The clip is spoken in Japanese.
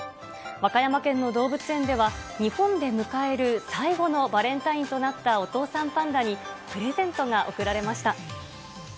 和歌山県の動物園では、日本で迎える最後のバレンタインとなったお父さんパンダに、プレゼントが贈られました。